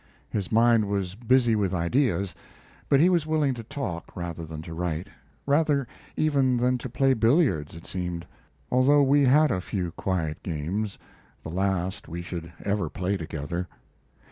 His mind was busy with ideas, but he was willing to talk, rather than to write, rather even than to play billiards, it seemed, although we had a few quiet games the last we should ever play together.